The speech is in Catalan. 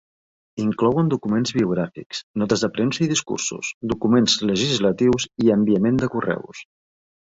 Inclouen documents biogràfics, notes de premsa i discursos, documents legislatius i enviament de correus.